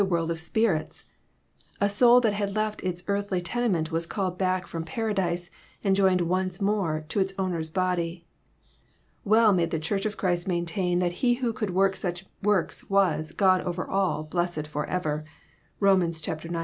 281 world of spirits ! A soul that had left its earthly tene ment was called back from Paradise, and joined once more to its owner's body. — ^Well may the Church of Christ main* tain that He who could work such works was ^^ God over all blessed forever." (Rom. ix.